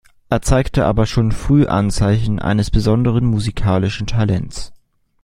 Er zeigte aber schon früh Anzeichen eines besonderen musikalischen Talents.